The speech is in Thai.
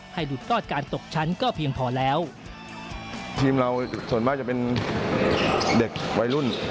หลุดรอดการตกชั้นก็เพียงพอแล้วทีมเราส่วนมากจะเป็นเด็กวัยรุ่น